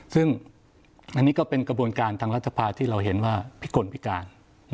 ซึ่งอันนี้ก็เป็นกระบวนการทางรัฐภาที่เราเห็นว่าพิกลพิการ